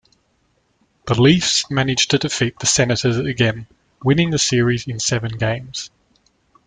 The Leafs managed to defeat the Senators again, winning the series in seven games.